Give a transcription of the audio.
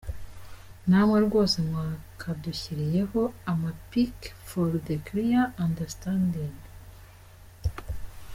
Namwe rwose mwakadushyiriyeho amapics for the clear understanding.